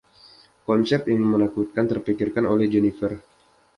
Konsep yang menakutkan terpikirkan oleh Jennifer.